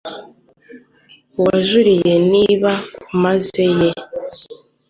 Uwajuriye nabi ku meza ye